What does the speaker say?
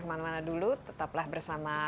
kemana mana dulu tetaplah bersama